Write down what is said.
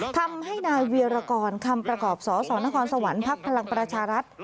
ทำให้นายเวียรกรคำประกอบสสนครสวรรค์ภักดิ์พลังประชารัฐ